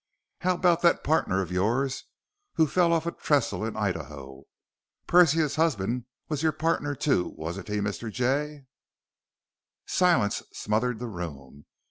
How about that partner of yours who fell off a trestle in Idaho?... Persia's husband was your partner, too, wasn't he, Mr. Jay?" Silence smothered the room.